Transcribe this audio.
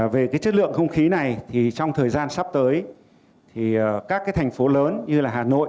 về cái chất lượng không khí này thì trong thời gian sắp tới thì các cái thành phố lớn như là hà nội